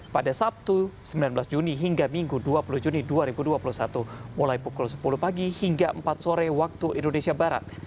pada sabtu sembilan belas juni hingga minggu dua puluh juni dua ribu dua puluh satu mulai pukul sepuluh pagi hingga empat sore waktu indonesia barat